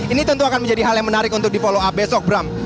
ini tentu akan menjadi hal yang menarik untuk dipoloa besok bram